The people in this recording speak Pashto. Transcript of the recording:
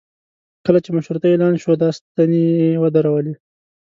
کله چې مشروطه اعلان شوه دا ستنې یې ودرولې.